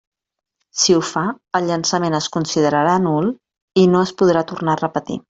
Si ho fa, el llançament es considerarà nul, i no es podrà tornar a repetir.